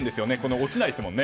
落ちないですもんね。